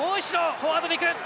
フォワードで行く。